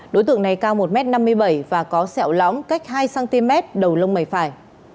đối tượng này cao một m năm mươi bảy và có sẹo lóng cách hai cm đầu lông mày phải